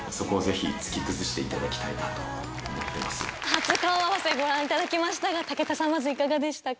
初顔合わせご覧いただきましたが武田さんまずいかがでしたか？